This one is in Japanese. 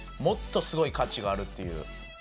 もっとすごい価値があるっていう。